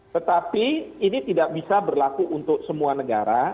tetapi ini tidak bisa berlaku untuk semua negara